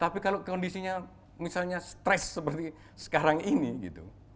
tapi kalau kondisinya misalnya stres seperti sekarang ini gitu